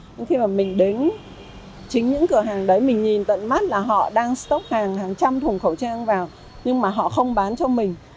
nhưng khi mà mình đến chính những cửa hàng đấy mình nhìn tận mắt là họ đang stock hàng hàng trăm thùng khẩu trang vào nhưng mà họ không bán cho mình